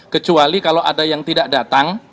kecuali kalau ada yang tidak datang